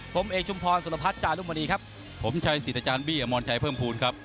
ผมเอกชุมพรสุรพัฒน์จารุมณีครับผมชัยสิทธิ์อาจารย์บี้อมรชัยเพิ่มภูมิครับ